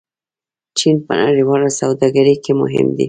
چین په نړیواله سوداګرۍ کې مهم دی.